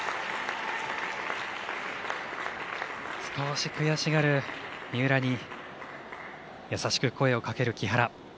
少し悔しがる三浦に優しく声をかける木原。